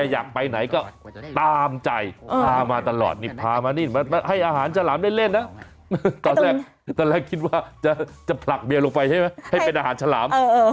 อย่าคิดไม่ดีเลยนี่เขาเองนะ